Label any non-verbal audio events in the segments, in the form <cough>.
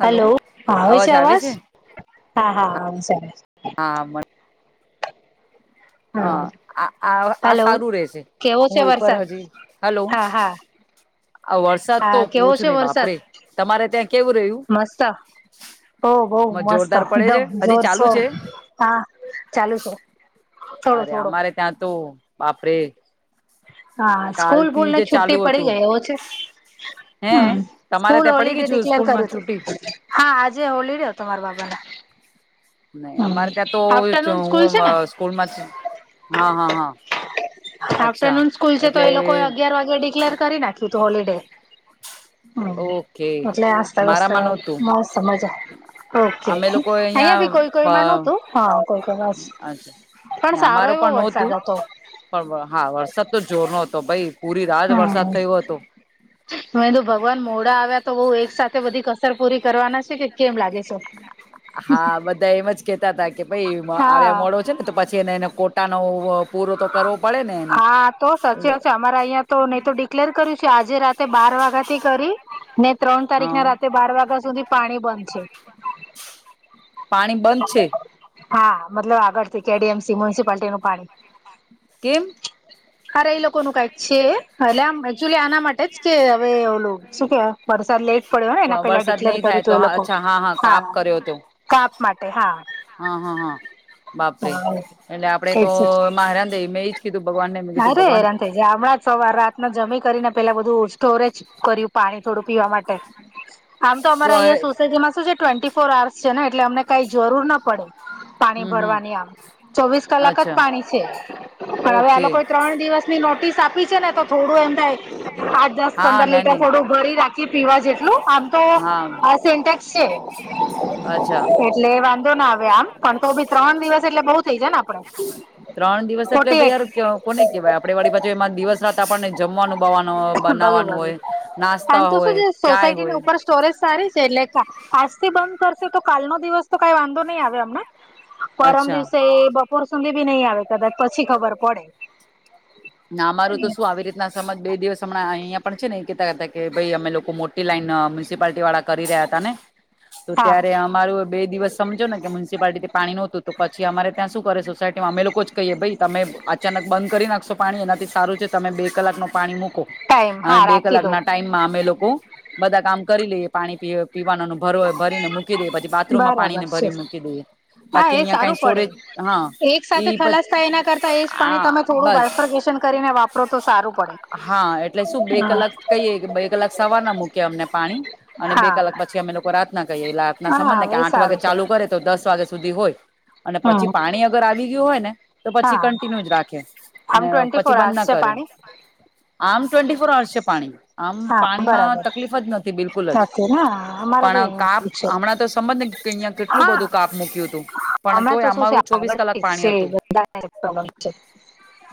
Hello હા આવે છે અવાજ હા હા આવે છે આવે હ હા આ આ હેલો સારું રે છે. કેવો છે હું એક વાર વરસાદ હજી હલો. હા હા આ વરસાદ તો હા પૂ છું નહી બાપરે તમારે ત્યાં કેવું રહ્યું મસ્સા. હોઉ બઉ મસ્ત જોરદાર પડે છે એકદમ હજી જોર ચાલુ શોર છે હા ચાલુ છે. થોડો અરે થોડો અમારે ત્યાં તોું બાપરે હા સ્કૂલ કાલથી ભૂલને જે ચાલુ છુ્ટી પડી હતું ગઈ એવો છે. હ હે તમારે સ્કૂલ ત્યાં પડી હોલડે ગઈ છું ડિક્લેર સ્કૂલમાં કર્યું હતું છુટી હા આજે હોલડે હતો મારા બાબ <inaudible> નહી અમારે ત્યાં તો સ્કૂલ હું છે ને સ્કૂલમાં હા હા હા અચ્છા આફ્ટરનૂન સ્કૂલ છે તો એટલે એ લોકો અગિયાર વાગે ડિક્લેર કરી નાખી. તું તો હોલીિડે ઓકે હમ એટલે મારામાં હસ્તસ્ત નહોતું મસ્ત મજા. ઓકે અમે લોકો અહિયાં બી કોઈ કોઈમાં નહતું હા કોઈ કોઈ વાત પણ સારો અમારે એ પણ નહોતું. પણ હા વરસાદ તો જોર ન હતો ભાઈ પૂરી રાત વરસાદ થયો હતો. હ તો ભગવાન મોડા આવ્યા તો બઉુ એક સાથે બધી કસર પૂરી કરવાના છે કે કેમ લાગે છે હા બધા એમ જ કેતા હતા. કે ભાઈ આવ હા મોડો છે ને તો પછી એને એને કોટાનો પૂરો તો કરવો પડે ને એને હા તો સાચી એટલે વા અમારા અહીિયાં તો નહી તો ડિક્લેર કર્યું છે આજે રાતે બાર વાગ્યા થી કરી ને ત્રણ તારીખ હા ના રાતે બાર વાગ્યા સુધી પાણી બંધ છે પાણી બંધ છે. હા મતલબ આગળ થી કેડીએમસી મ્યુનિસિપાલટી નું પાણી કેમ અરે એ લોકો ન કઈક છે એટ આમ એકચુલી આના માટે જ કે હવે શું કેવા વરસાદ લેટ પડ્યો ને એના પેલા વરસાદ ડિક્લેર નહી કરું થાય તો હતું એ લોકો અચ્છા હા હા કાપ કર્યો હતો. કાપ માટે હા હા હા હા. બાપરે એટલે આપણેે તો હેરાન થઈ મેં એજ કીધું ભગવાનને મેં કીધું અરે ભગવાન હેરાન થઈ જાય હમણાં સવાર રાત ના જમી કરીને પેલા બધું સોરે કર્યું પાણી થોડું પીવા માટે આમ તો અમારા અહીં સોસાયટીમાં શું છે ટ્વે ફોર આર્સ છે ને એટલે અમને કઈ જરૂર ના પડે પાણી હમ હમ ભરવાની આમ ચોવીસ કલાક જ અચ્છા પાણી છે. પણ હવે આ ઓકે લોકો ત્રણ દિવસની નોટિસ આપી છે ને તો થોડું એમ થાય આઠ દસ હા પંદર ના લીટર નહી થોડું ભરી રાખી પીવા જે આમ તો હા સેન્ટેક્સ છે અચ્છા એટલે વાંધો ના આવે આમ પણ તો ભી ત્રણ દિવસ એટલે બઉુ થઇ જાય ને આપડે ત્રણ દિવસ એટલે ફોર્ટી ભાઈ એટ યાર કોને કેવાય આપડે વાળી પાછું એમાં દિવસ રાત આપણને જમવાનું બવાનું બધું બનાવાનું બધું હોય નાસ્તા આમ તો શું હોય ચાય હોય સોસાયટી ઉપર સ્ટોરેજ સારી આજ થી બંધ કરશે તો કાલ નો દિવસ તો કઈ વાંધો નહીિ આવે અમને પરમ અચ્છા દિવસે બપોર સુધી ભી નહી આવે કદાચ પછી ખબર પડે. ના અમારું તો શું આવી રીતના સમજ બે દિવસ હમણાં અહિયાં પણ છે ને એ કેતા કરતા કે ભાઈ અમે લોકો મો લન મ્યુનિસિપાલટી વાળા કરી રહ્યા હતા ને તો હા ત્યારે અમારું બે દિવસ સમજોને કે મ્યુનિસિપાલિટીથી પાણી નોતું તો પછી અમા ત્યાં શું કરે સોસાયટીમાં અમે લોકો જ કહીએ ભાઈ તમે અચાનક બંધ કરી નાખશો. પાણી એનાથી સારું છે તમે બે કલાક ન પાણી મૂકો ટાઈમ હા અને બે રાખી કલાક દો ના ટાઈમમાં અમે લોકો બધા કામ કરી લઈએ પાણી પીએ પીવા ભરો ભરીને મૂકી દે પછી બાથરૂમમાં બરાબર પાણીને છે ભરી મૂકી દે હા બાકી એ અહીિયાયા સારું કઈ પડે સોરેજ. હા એક સાથે એઈ પ ખલાસ થાય એના કરતા એજ પાણી આ તમે થોડું બસ. બાયફર્ગેશન કરીને વાપરો તો સારું પડે. હા એટલે શું બે કલાક કહીએ કે બે કલાક સવાર ના મૂકે અમને પા. પા અને બે હા કલાક પછી અમે લોકો રા્થના કરીએ એલેના સમજ ને હા કે એ આઠ વાગે સારું છે ચાલુ કરે તો દસ વાગે. સુધી હોય અને પછી હમ પાણી અગર આવી ગયું હોય ને તો પછી હા કન્ટિન્યુ જ રાખે. આમ ટ્વેન્ટી પછી ફોર બંધ અવર્સ ના છે કરે પાણી આમ. ટ્વેન્ટી ફોર અર્સ છે પાણી આમ હા પાણીમાં બરાબર તકલીફ જ નથી બિલકુલ જ નથી ને અમારે બી પણ એવું કા આપ છે. હમણાં તો સમજને અહિયાં કેટલું બધું કાપ મૂક્યું હતું. પણ અમે તો તોય શું છે અમારું ચોવીસ કલાક આગળથી <unintelligible> છે.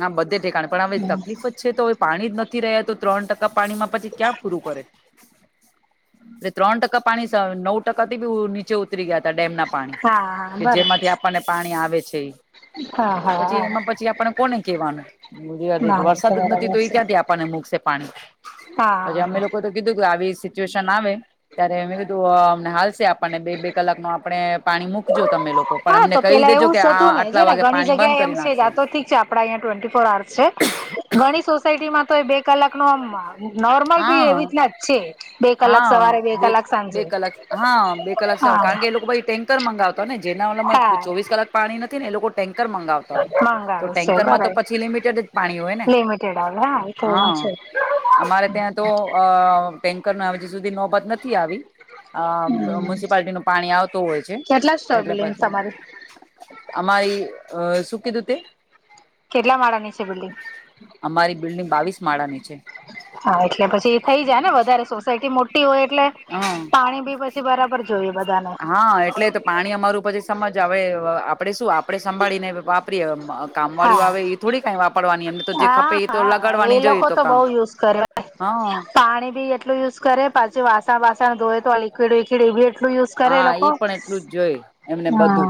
હ બધે ઠેકાણ પણ હવે તકલીફ જ છે તો પાણી જ નથ નથી રહ્યા તો ત્રણ ટકા પાણીમાં પછી ક્યાં પૂરું કરે. એ ત્રણ ટકા પાણી નવ ટકાથી બી નીચે ઉતરી ગયા. ડેમ ના પાણી હા કે બરાબર જેમાંથી આપણને પાણી આવે છે. હા હા પછી હા એમાં પછી આપણે કોને કેવાનું. બ ના ના વરસાદ જ બરાબર નથી તો એ છે ક્યાંથી આપણને મૂકશે પાણી. પછી હા અમે લોકો તો કીધું કે આવીશ. સિચ્યુશન આવે ત્યારે મેં કીધું અમને હાલશે આપણને બે બે કલાક ન આપણે પાણી મૂકજો તમે લોકો. પણ હા અમને તો કહી પેલા દેજો એવું કે જ આ હતું ને જો આટલા ને વાગે ઘણી પાણી બંધ જગ્યાએ એમ કરી છે નાખશે આ તો ઠીક છે આપડા અહં ટ્વેન્ટી ફોર. ઘણી સોસાયટીમાં તો. કલાક ન આમ નોર્મલ બી હા એવીતના જ છે બે કલાક હા સવારે બે કલાક સાંજે. બે કલાક હા બે કલાક સવાલ કારણ હા કે એ લોકો પછી ટેન્કર મંગાવતા. ને જેનામાં હા ચોવીસ કલાક પાણી નથી ને એ લોકો ટેન્ક. મંગાવતા હોય તો મંગાવે છે ટેન્કરમાં તો બરાબર પછી લિમિટેડ જ પાણી હોય ને લિમિટેડ આવે હા એ તો એમાં હા. છે અમારે ત્યાં તો અ ટેન્કર ન હજી સુધી નોબત નથી આવી. અ હમ મ્યુનિસિપાલિટી નું પાણી આવતું હોય છે કેટલા છે એટલે બિલ્ડિંગ પછી. તમારી અમારી શું કીધું તે? કેટલા માળાની છે બિલ્ડીંગ? અમારી બિલ્ડિંગ બાવીસ માળા ની છે. હા એટલે પછી થઈ જાય ને વધારે સોસાયટી મોટી હોય એટલે હા પાણી બી પછી બરાબર જોયું. હા એટલે તો પાણી અમારું પછી સમજ હવે આપણેે શું આપે સંભાળીને વાપરીએ કામવાળીઓ હા આવે એ થોડી કંઈ વાપરવાની એમને તો જે ખપે હા એ તો હા એ લગાડવાની જોઈ. લોકો તો બો યુઝ કરે પાણી બી એટલું યુઝ કરે પાછું વાસણ વાસણ ધોવે તો લિકવિડ વિકિડ એવી હા ઈ પણ એટલું જ જોય એમને હા બધું.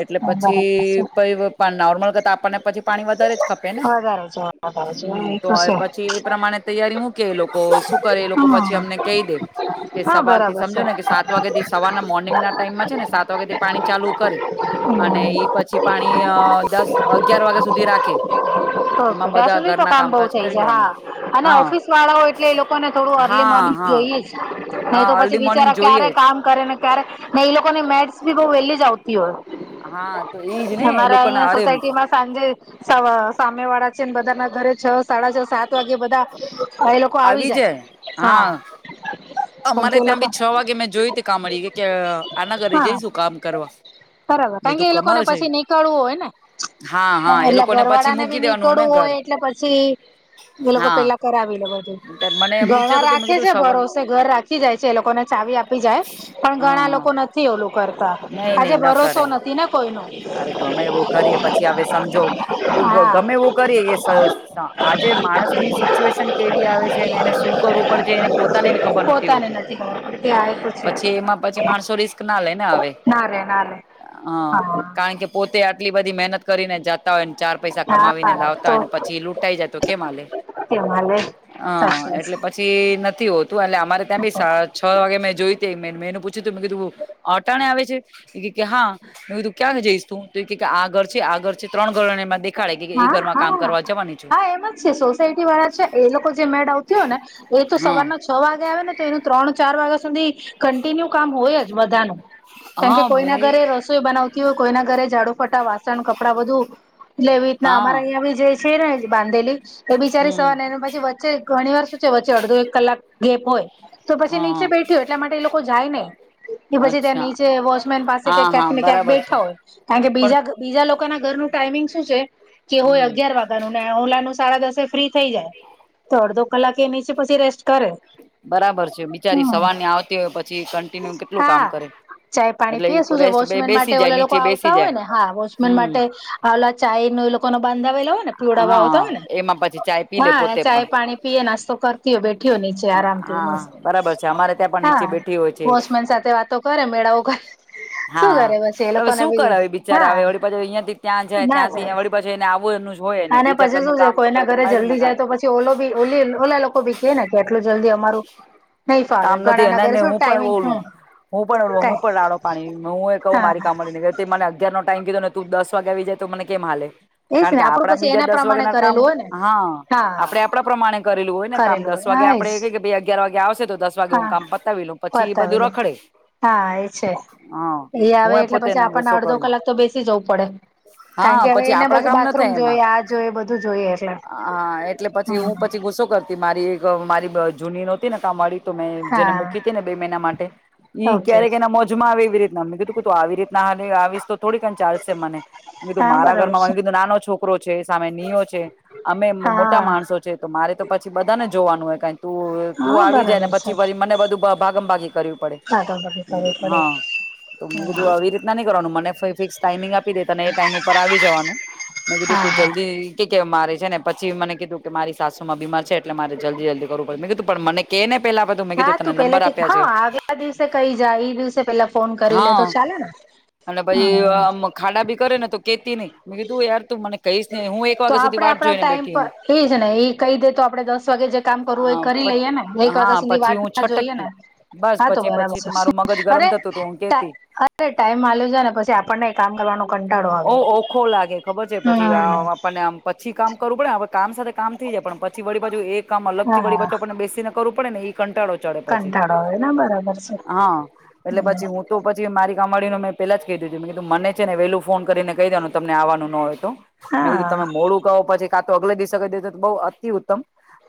એટલે બરાબર છે. પછી <unintelligible> નોર્મલ અને પછી પાણી વધારે જ ખપે ને વધારે છે વધારે છે હમ્મ એ તો હવે છે પછી એ પ્રમાણે તૈયારી હું કેલો લોકો શું કરે એ લોકો હા પછી અમને કહી દે કે હા સવાર થી બરાબર સમજો છે. ને કે સાત વાગે દિવ સવારના મોર્નિંગ ના ટાઈમમાં છે ને સાત વાગેથી પાણી ચાલુ કરે. અને ઓકે ઈ પછી પાણી દસ અગિયાર વાગ્યા સુધી રાખે. ઓકે એમાં ત્યાં બધા સુધી તો ઘરના કામ બઉુ કામકાજ થઈ જ કરી છે લેવાના હા અને હા ઓફિસ વાળાઓ એટલે એ લોકોને થોડું અર્લી હા મોર્નિ હા જઈએ છે. નહી હા તો પછી અર્લી મોર્નિંગ બિચારા જોઈએ ક્યારે જ કામ કરે ને ક્યારે ને એઈ લોકોની મૈડ્સ ભી બહુ વહેલી જ આવતી હોય. હા તો એઈજ ને એ અમારા લોકો અહિયાં ના હરે એમ સોસાયટીમાં સાંજે સામે વાળા છે ને બધા ના ઘરે છ સાડા છ સાત વાગે બધા એ લોકો આવી જાય હા. કારણ કે અમારે એ ત્યાં લોકો બી છ વાગે મેં જોય ત કામી કે કે આના ઘરે હા જઈશું કામ કરવા. બરાબર મેં કારણ તો કે એ લોકોને કમાલ છે પછી નીકળવું હોય ને. હા હા એ એટલે લોકોને પછી ઘરવાળા ને મૂકી બી દેવાનું ને નીકળવું ઘર હોય એટલે પછી એ લોકો હા પેલા કરાવી લેું. મને એમ ઘણા વિચારતું હતું મેં રાખે કીધું છે સવાર ભરોસે ઘર રાખી જાય છે એ લોકોને ચાવી આપી જાય પણ હા ગણા. ઈ હા લોકો નથી ઓલું કરતા નહી આજે નહી ન ભરોસો કરે નથી ને કોઈ નો અરે ગમે એવું કરીએ પછી હવે સમજો ગમેવું કરી સ આજે માણસની સિચ્યુએશન કેવી આવે છે એને શું કરવું પડે એને પોતાને બી ખબર નથી પોતાને હોતી ખબર કે આ એક છે પછી એમાં પછી જે માણસો રિસ્ક ના લે ના હવે. ના રે ના રે. હ હા કારણ કે પોતે આટલી બધી મહેનત કરીને જા તા હોયને ચાર પૈસા કમાવીને હા લાવતા તો હોય ને પછી લૂંટાઈ જાય તો કેમ હાલે. હિમાલય સાચી હ એટલે પછી નથી હોતું એટલે અમારે ત્યાં બી વાત છ વાગે મેં જોયુ મેને પૂછ્યું મે કીધું અટાણે આવે છે હા મે કીધું ક્યાં જઈશ તું તો આગળ છે આગળ છે ત્રણ ઘર એમાં દેખાડે કે એ હા ઘરમાં કામ હા કરવા જવાની છું હા એમ જ છે સોસાયટી વાળા છે એ એ લોકો જે મેડ આવતી હોય ને એ તો હા સવારના છ વાગે આવે ને તો એનું ત્રણ ચાર વાગ્યા સુધી કન્ટિન્યુ કામ હોય જ બધાનું કેમ હા કે બે કોઈના ઘરે રસોઈ બનાવતા કોઈના ઘરે ઝાડુ ફટા વાસણ કપડાં બધું લેવી રીતના અમારા હા અહીંયા બી જે છે ને બાંધેલી તો બિચારી હમ સવાર ને એક પછી વચ્ચે ઘણી વાર શું છે વચ્ચે અડધો એક કલાક ગેપ હોય. તો પછી હા નીચે બેઠ્યું એટલા માટે એ લોકો જાય નઈ. એ પછી ત્યાં અચ્છા નીચે વોચમેન પાસે હા ક્યાંક હા ને ક્યાંક બરાબર છે બેઠા હોય કારણ કે પણ બીજા બીજા લોકોના ઘર નુ ટાઈમિંગ શું છે કે હોય હમ અગયાર વાગ્યા ન ને ઓલા સાડા દસે ફ્રી થઈ જાય તો અડધો કલાકે એ નીચ પછી રેસ્ટ કરે બરાબર છે બિચારી હમ સવારની આવતી હોય પછી કન્ટિન્યુ કેટલું કામ હા કરે. ચાય પાણી એટલે પીએ એ શું છે રેસ્ટ વોચમેન માટે બેસી જાય ઓલા લોકો નીચે બેસી આવતા હોય જાય ને હા વોચમેન હમ માટે ઓલા ચાય લોકો બાંધાવલો હોય ને પીવડા વાવ તો હોય હા ને એમાં પછી ચાય પી લે હા પોતે પણ ચાય પાણી પીય નાસ્તો કરતી હોય બેઠી હો નીચે આરામથી હા મસ્ત બરાબર છે અમારે ત્યાં પણ નીચે હા. બેઠી હોય છે વોચમેન સાથે વાતો કરે મેળાઓ કરે. શું હા કરે પછી એ હવે લોકોને શું બી કરે એ બિચારા હા આવે વળી પાછા અહીયાં થી ત્યાં જાય ત્યાંથી વળી પાછા અને પછી શું છે કોઈના તો ઘરે માર ન જલ્દી જાય ખાય તો પછી ઓ બી ઓલી ઓલા લોકો ભી કે ને એટલું જલ્દી અમારું નહી ફાવે કામ નથી ઘણા એને નગરે ને શું હું પણ ટાઈમિંગ ઓલું શું હું પણ હું પણ રાડો પાણી હું એ કહું હા મારી કામવાડીને મને અગિયાર ટાઈમ કીધો ને તું દસ વાગ્યા આવી જાય તો મને કેમ હાલે. એજ કારણ ને કે આપડું આપડા પછી બીજા એના દસ વાગ્યા પ્રમાણે ના કામ કરેલું હોય ને હા આપડે આપડા પ્રમાણે કરેલું હોય ને કામ કરેલું દસ દસ હોય વાગે હા એજ આપડે કે ભાઈ અગિયાર વાગે આવશે તો દસ વાગે હું હા કામ બતાવી લઉ પછી એ બધું પતાવેલું રખડે. હા એ છે હા એ આવે હું એટલે પોતે પછી એને આપણને ગુસ્સો અડધો કરું કલાક તો બેસી જવું પડે. કારણ હા કે હવે પછી એને આપડા બધું કામ ના બાથરૂમ થાય એમાં જોય આ જોઈ બધું જોઈએ એટલે હા એટલે પછી હ હું શું કરતી મારી એક મારી જૂની નહોતી ને કામવાળી મે જેને હા મૂકી હતી ને બે મહિના માટે ઈ ઓકે ક્યારેક એના મોજમાં આવે આવી રીત ના મે કીધું આવી રીત હાલે આવીસ તો થોડીક ચાલશે મને કીધું હા મારા બરાબર ઘરમાં છે મેં કીધુ નાનો છોકરો છે સામે નિયો છે અમે મોટા હા માણસો છે તો મારે તો પછી બધાને જોવાનું હોય કાઈ તું તું હા આવી બરાબર જાય ને છે પછી ફરી મને બધું ભાગમ ભાગી પડયુ ભાગાભાગી કરવી કીધું પડે હા આવી રીત ના નહીકરવાનું મને ફિકસ ટાઈમિંગ આપ આપી દેતાને એ ટાઈમ ઉપર આવી જવાનું મેં કીધું હા તું હા જલ્દી કે મારે છે ને પછી મને કીધું કે મારી સાસુ માં બીમાર છે એટલે મારે જલ્દી જલ્દી કરવું પડે મેં કીધું પણ મને કેને હા તું પેલાથી હા આગલા દિવસે કઈ જાય એઈ દિવસે પેલા ફોન કરી લે હા તો ચાલે ને અને હમ પછી ખાડા ભી કરે ને તો કેતી નહી મે કીધું યાર તું મને કહીશ ને હું એક તો વાગ્યા સુધી આપડે વાટ આપણા જોઈને ટાઈમ બેઠી પર હું એ જ ને એ કહી દે તો આપડે દસ વાગે જ કામ કરવું હો એ કરી લઈએ ને એક હા વાગ્યા સુધી પછી વાત હું ના જોઈએ ને છટકતી બસ હા તો પછી બરાબર પછી મારું મગજ છે અરે ગરમ થતું હતું હું કેતી અરે ટાઈમ માલ છે ને પછી આપણને કામ કર પીવાનો કંટાળો આવે. ઓખો લાગે ખબર છે પછી હમ આપણને આમ પછી કામ કરવું પડે કામ સાથે કામ થઈ જાય પણ પછી વળી બાજુ એક કામ અલગથી હા વળી બેસીને કરવું પડે. ને એ કંટાળો ચડે પછી કંટાળો આવે ને બરાબર છે હા એટલે પછી હું તો પછી મારી મળીને મે પેલા જ કીધું મેને છે, ને વેલું ફોન કરીને કહી દવાનું તને આવવાનું ન હોય તો, મેં કીધું હા તમે મોડું કહો પછી કા તો અગલે દિવસે તો બહુ અતિ ઉત્તમ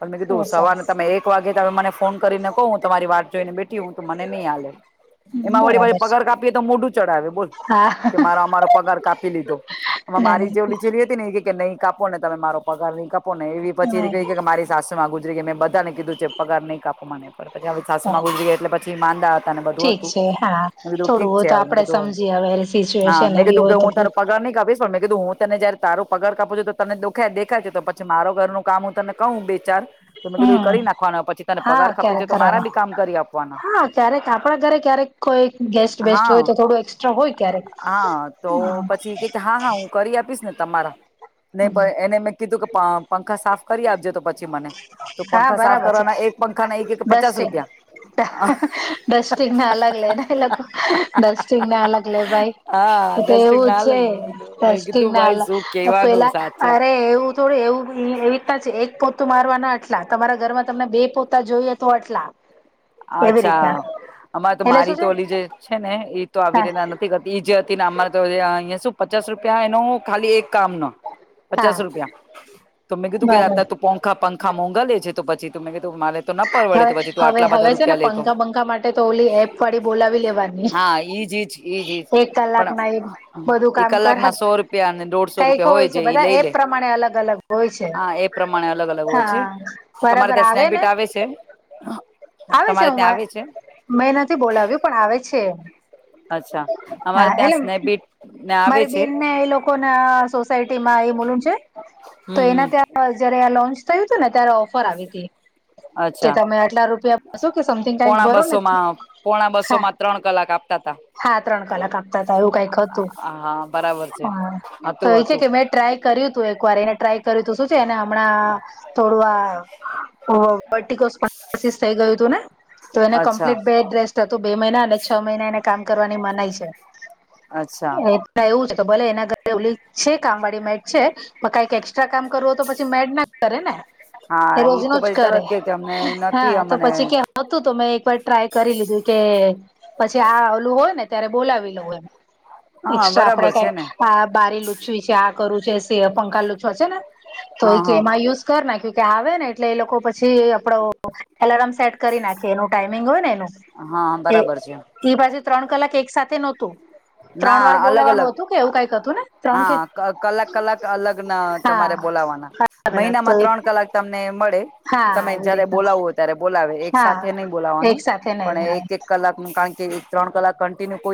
પણ મેં બહુ કીધું સરસ સવાર તમે એક વાગે મને ફોન કરીને કહ હું તમારી વાત જોઈને બેઠી હું તો મને નહીં હાલે. હમ એમાં વળી પાછે બરાબર પગાર છે કાપીએ તો મોઢું ચડાવ બોલ. હા કે મારો અમારો પગાર કાપી લીધો, એ ના મારી જેવ લી ના નિચેલી હતી ને ઇ એ કે નહીં. કાપો ને તમે મારો પગાર ની કાપો ને એવી પછી એ ક કે મારી માં ગુજરી ગઈ મે બધાને કીધું છે, પગાર નહીં કાપો. મને પછી હ સાસમાં ગુજરી ગયા એટલે પછી માંદા. તને બધું ઠીક હતું છે હા મે કીધું થોડું ઠીક હોય છે, તો મે આપડે કીધું સમજીએ હવે હા સિચ્યુએશન મેં એવી કીધું કે હોય તો હું તને પગાર. કસ્મિત કીધું હું તને જયારે તારું પગાર કાપુ છું તો તને દેખાય છે, તો પછી મારો ઘરનું કામ હું તને કહું બે ચાર તો મેં કીધું એ કરી હમ નાખવાનો પછી તને હા પગાર ખપે ક્યારેક છે, તો મારા કરવાના બી કામ કરી આપવાના હા ક્યારેક આપણા ઘરે ક્યારેક કોઈ ગેસ્ટ હ, બેસ્ટ હોય તો થોડું એક્સ્ટ્રા હોય ક્યારેક હ તો પછી કે હા હા હું કરી. કરી આપીશ. તમારા ન એને મેં કીધું કે પંખા સાફ કરી આપજે તો પણ. હા બરાબર છે, પંખા ના એક એક પચાસ દસ્ટે રૂપિયા ડસ્ટિંગને અલગ લે ને એ લોકો ડસ્ટિંગને અલગ લે ભાઈ હા તો ડસ્ટિંગ એવું ના લાગુ મેં કીધું મેં છેસ્ટ કીધું ના ભાઈ શું કેવાનું પેલા સાચે અરે એવું થોડું એવું એવી રીતના છે, એક પોતું મારવાનું આટલા તમારા ઘરમાં તમને બે પોતા જોઈએ તો આટલા એવી રીતના અચ્છા અમાં તો એટલે શું મારી તો છે ઓલી જે છે, ને ઈ તો આવી હા રના નથી કરતી જ તે નાંર તો અહીંયા શું પચાસ રૂપિયા એનો ખાલી એક કામ ન હા પચાસ રૂપિયા તો મે કી તું કેતા બરોબર તું પંખા પંખા આ મોંધાલેે છે, તો પછી ત મે કીધું મારે તો ન પરડે તોછી તું હવે આટલા બધા હવે છે, ને રૂપિયા લેતો પંખા બંખા માટે તો ઓલી એપ વાળી બોલાવી લેવાની હા ઈજ ઈજ ઈજ ઈજ એક કલાક પણ ના એક બધું એ કામ કલાક કરાવે ના સો રૂપિયા અને દોઢસો કઈક રૂપિયા હોય છે, એ બધા લઈ લે. એપ પ્રમાણે અલગ અલગ હોય છે હા એ પ્રમાણે અલગ- અલગ હોય છે. હા તમારે બરાબર ત્યાં સ્નેપ ને બીટ આવે છે. આવે છે, તમારે હું ત્યાં આવે છે મેં નથી બોલાવ્યું પણ આવે છે. અચ્છા અમારે હા ત્યાં એટલે સ્નેપ બીટ મારી બેનને એ લોકો ના સોસાયટી માં એ મુલન છે. તો હમ હમ એના ત્યાં જયારે આ લોન્ચ થયું હતું, ને ત્યારે ઓફર આવી કે અચ્છા તમે આટલા રૂપિયા શું કે સમથિંગ કઈ પોણા બરો ને બસો માં પોણા બસો હા. માં ત્રણ કલાક આપતા તા હા, ત્રણ કલાક આપતા હતા એવું કંઈક હતું. હા બરાબર છે હા તો હતું એ છે, હતું કે મેં ટ્રાય કર્યું તું એક વાર એને ટ્રાય તેને હમણાં થોડું આ ઓ વર્ટિકોસસ થઈ ગયું હતું, ને. તો એને અચ્છા કમ્પ્લીટ બેડ રેસ્ટ હતું બે મહિના અને છ મહિના એને કામ કરવાની મનાય છે, અચ્છા એટલે એવુંજ. ભોલે એના ઘરે ઓલી છે, કામવાળડી મેટ છે, કંઈક અચ્છા કામ કરવું, હો તો પછી મેડ ના કરે ને. એ હા રોજ ઈ ન તો જ પછી કરે તરત કે કે અમને નથી હા તો અમને પછી કે હતું તો મેં એક વાર ટ્રાય કરી લીધું કે પછી આ ઓલું હોય ને ત્યારે બોલાવી લઉ એમ. હા એસ્ટ્રા આપડે બરાબર છે કંઈક ને આ બારી લુચવી છે, આ કરવું છે. પંખા લુંરછવા છે, ને તો હા એમાં હા યુસ કર. ત્યાં આવે ને એટલે એ લોકો પછી આપડો એલાર્મ. સેટ કરી નાખે એનું ટાઈમિંગ હોય ને હા બરાબર છે એનું બાધુ ત્રણ કલાક એક સાથે નહોતું. <unintelligible> ત્રણ વાર ના અલગ- અલગ બોલાવાનું હતું કે એવું કઈક હતું ને ત્રણ કે હા કલાક કલાક અલગ ના હા તમારે બોલાવાનું. અલગ અલગ તો મહિનામાં ત્રણ કલાક તમને મળે હા તમે આવી જયારે બોલાવો રીતના હો ત્યારે બોલાવે એક સાથે નહી હા બોલાવાનું એક સાથે પણ નહી હા એક એક કલાકનું કણ કે ત્રણ કલાક કન્ટિન્યુ કોઈ